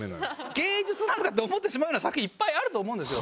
芸術なのか？って思ってしまうような作品いっぱいあると思うんですよ。